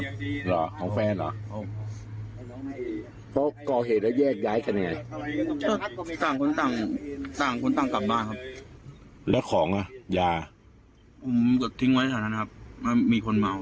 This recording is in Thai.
พวกมึงก็ทิ้งไว้แถมนะครับมีคนมาเอาไว้